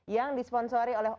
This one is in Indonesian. yang disponsori oleh